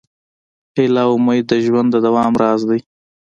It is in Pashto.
هیله او امید د ژوند د دوام راز دی.